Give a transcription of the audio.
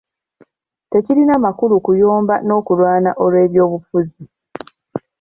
Tekirina makulu kuyomba n'okulwana olw'ebyobufuzi.